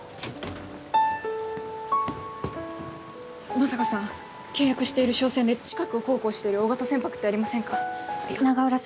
野坂さん契約している商船で近くを航行している大型船舶って、ありませんか？